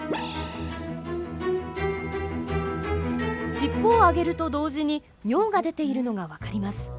しっぽを上げると同時に尿が出ているのが分かります。